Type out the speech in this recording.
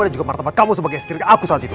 dan juga martabat kamu sebagai istri aku saat itu